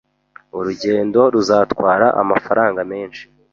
Urugendo ruzatwara amafaranga menshi .